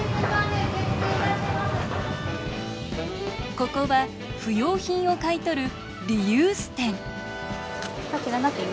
ここは不用品を買い取るリユース店